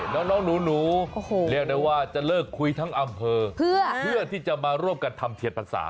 น้องหนูเรียกได้ว่าจะเลิกคุยทั้งอำเภอเพื่อที่จะมาร่วมกันทำเทียนพรรษา